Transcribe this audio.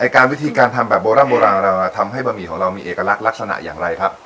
การวิธีที่เราทำโบร่ามโบร่าวที่เราทำให้บะหมี่ของเรามีอีกลักษณะอะไรครับ